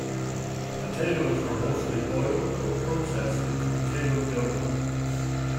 Potatoes were mostly boiled or processed into potato dough.